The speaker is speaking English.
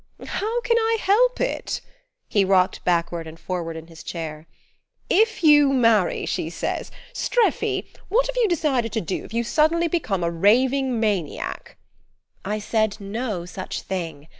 "How can I help it?" He rocked backward and forward in his chair. "'If you marry,' she says: 'Streffy, what have you decided to do if you suddenly become a raving maniac?'" "I said no such thing.